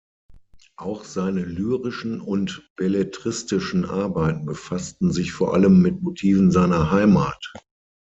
Auch seine lyrischen und belletristischen Arbeiten befassten sich vor allem mit Motiven seiner Heimat.